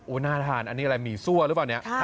น่าทานอันนี้อะไรหมี่ซั่วหรือเปล่าเนี่ย